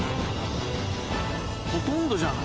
ほとんどじゃない？